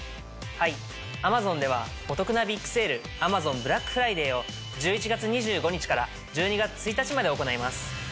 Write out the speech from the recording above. はいＡｍａｚｏｎではお得なビッグセール「Ａｍａｚｏｎブラックフライデー」を１１月２５日から１２月１日まで行います。